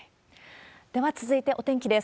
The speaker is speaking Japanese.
では続いて、お天気です。